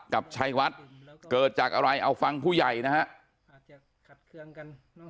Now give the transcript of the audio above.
กับชัยวัดเกิดจากอะไรเอาฟังผู้ใหญ่นะฮะ